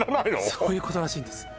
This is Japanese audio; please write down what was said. そういうことらしいんです